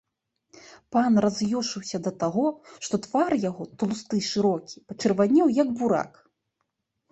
Пан раз'юшыўся да таго, што твар яго, тлусты, шырокі, пачырванеў як бурак.